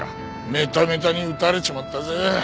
メタメタに撃たれちまったぜ。